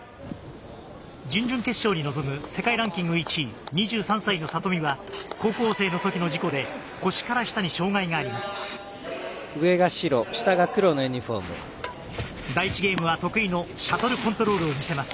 準々決勝に臨む世界ランキング１位２３歳の里見は高校生のときの事故で腰から下に障がいがあります。